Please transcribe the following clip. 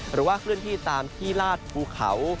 หรือว่าเคลื่อนที่ตามที่ลาดภูเขา